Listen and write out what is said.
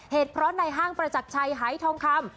เหตุเพราะในห้างประจักรชัยหายทองคำ